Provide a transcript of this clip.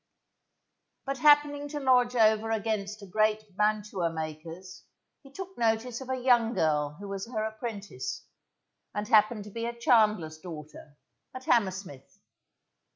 But happening to lodge over against a great mantua maker's, he took notice of a young girl who was her apprentice, and happened to be a chandler's daughter, at Hammersmith.